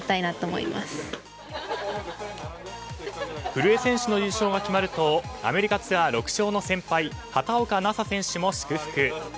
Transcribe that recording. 古江選手の優勝が決まるとアメリカツアー６勝の先輩畑岡奈紗選手も祝福。